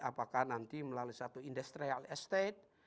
apakah nanti melalui satu industrial estate